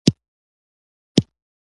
نور بلاګان له قبرونو راوتل.